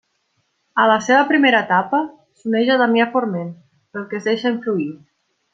A la seva primera etapa s'uneix a Damià Forment, pel que es deixa influir.